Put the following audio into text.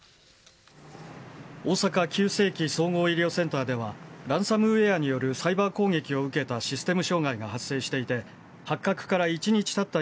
大阪急性期・総合医療センターでは、ランサムウェアによるサイバー攻撃を受けたシステム障害が発生していて、発覚から１日たった